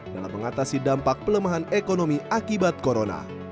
dalam mengatasi dampak pelemahan ekonomi akibat corona